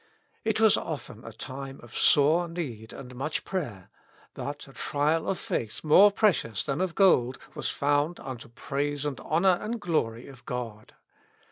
It was often a time of sore need and much prayer, but a trial of faith more precious than of gold was found unto praise and honor and glory of God.